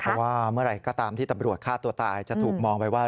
เพราะว่าเมื่อไหร่ก็ตามที่ตำรวจฆ่าตัวตายจะถูกมองไปว่า